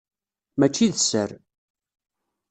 Mačči d sser.